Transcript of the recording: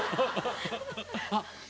あっ！